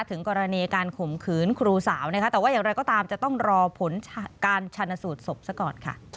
ถึงกรณีการข่มขืนครูสาวนะคะแต่ว่าอย่างไรก็ตามจะต้องรอผลการชันสูตรศพซะก่อนค่ะ